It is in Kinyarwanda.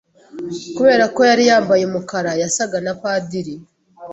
Kubera ko yari yambaye umukara, yasaga na padiri.